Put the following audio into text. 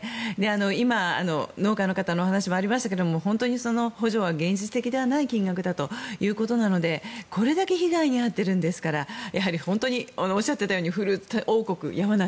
今、農家の方のお話にもありましたが本当に補助は現実的ではない金額ということなのでこれだけ被害に遭っているんですから本当におっしゃっていたようにフルーツ王国・山梨